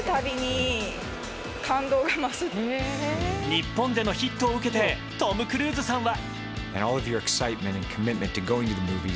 日本でのヒットを受けてトム・クルーズさんは。